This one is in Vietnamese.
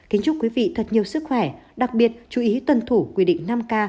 kính chúc quý vị thật nhiều sức khỏe đặc biệt chú ý tuân thủ quy định năm k